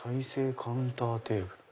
カウンターテーブル」。